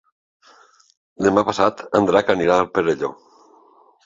Demà passat en Drac anirà al Perelló.